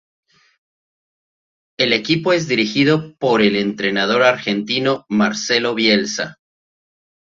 El equipo es dirigido por el entrenador argentino Marcelo Bielsa.